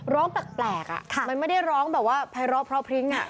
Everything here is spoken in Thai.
ร้องแปลกแปลกอ่ะค่ะมันไม่ได้ร้องแบบว่าภายรอบเพราะพริ้งอ่ะ